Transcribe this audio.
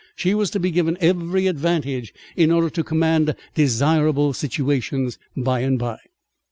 She was to be given "every advantage," in order to command "desirable situations" by and by.